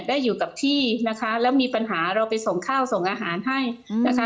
ได้อยู่กับที่นะคะแล้วมีปัญหาเราไปส่งข้าวส่งอาหารให้นะคะ